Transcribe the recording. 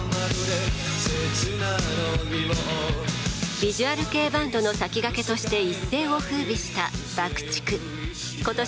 ビジュアル系バンドの先駆けとして一世を風靡したＢＵＣＫ−ＴＩＣＫ。